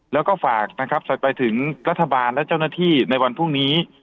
แล้วก็ฝากนะครับไปถึงรัฐบาลและเจ้าหน้าที่ในวันพรุ่งนี้